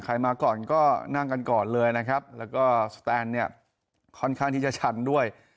มาก่อนก็นั่งกันก่อนเลยนะครับแล้วก็สแตนเนี่ยค่อนข้างที่จะชันด้วย